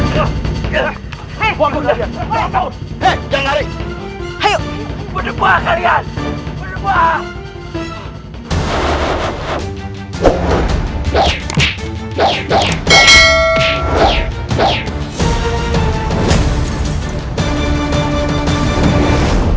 terima kasih kakek guru